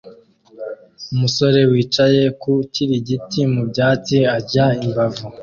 Umusore wicaye ku kiringiti mu byatsi akarya imbavu